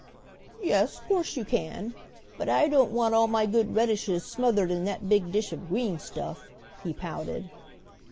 "Yes, 'course you can. But I don't want all my good redishes smothered in that big dish of green stuff," he pouted.